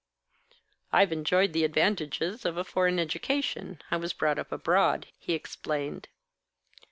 "I've enjoyed the advantages of a foreign education. I was brought up abroad," he explained.